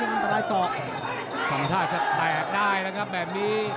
สัมภาษาจะแทกได้นะครับแบบนี้